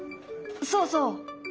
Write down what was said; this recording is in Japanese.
そうそう。